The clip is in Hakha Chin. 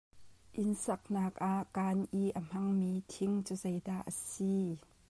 Inn saknak ah kaan i na hmanmi thing cu zeidah a si?